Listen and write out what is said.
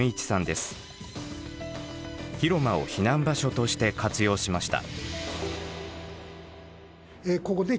広間を避難場所として活用しました。